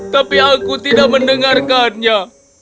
tapi aku tidak mendengarkannya